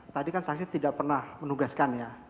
tadi kan saksi tidak pernah menugaskan ya